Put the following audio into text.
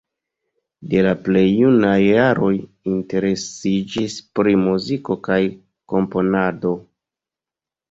De la plej junaj jaroj interesiĝis pri muziko kaj komponado.